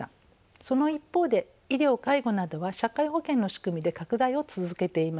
その一方で医療介護などは社会保険の仕組みで拡大を続けています。